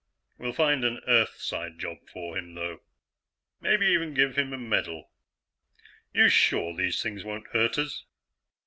We'll find an Earthside job for him, though. Maybe even give him a medal. You sure these things won't hurt us?"